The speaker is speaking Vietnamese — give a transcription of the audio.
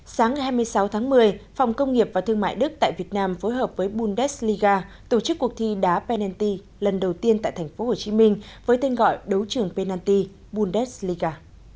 sáng ngày hai mươi sáu tháng một mươi phòng công nghiệp và thương mại đức tại việt nam phối hợp với buldesliga tổ chức cuộc thi đá pennty lần đầu tiên tại tp hcm với tên gọi đấu trường penanti bundesliga